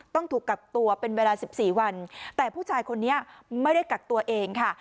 ต้องถูกกักตัวเป็นเวลา๑๔วันแต่ผู้ชายคนนี้ไม่ได้กักตัวเองค่ะ